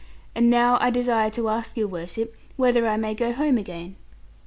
And now I desire to ask your worship, whether I may go home again?'